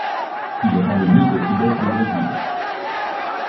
Il est endémique au sud-est de Brésil.